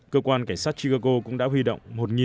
cơ quan cảnh sát chicago cũng đã huy động